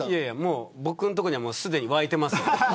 僕のところにはすでに湧いてますよ。